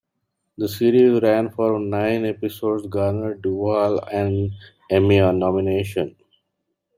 The series ran for nine episodes garnered Duvall an Emmy nomination.